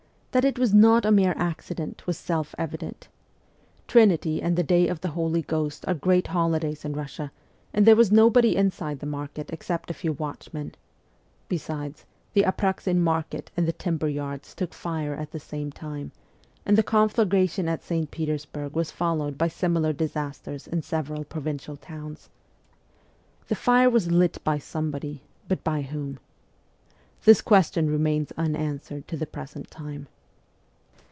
That it was not a mere accident was self evident. Trinity and the day of the Holy Ghost are great holidays in Russia and there was nobody inside the market except a few watchmen ; besides, the Apraxin market and the timber yards took fire at the same time, and the conflagration at St. Petersburg was followed by similar disasters in several provincial towns. The fire was lit by some SIBERIA 191 body, but by whom ? This question remains un answered to the present time.